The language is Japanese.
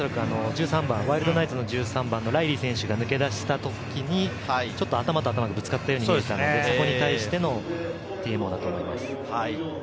ワイルドナイツの１３番・ライリー選手が抜け出したときに、ちょっと頭と頭がぶつかったように見えたので、そこに対してのＴＭＯだと思います。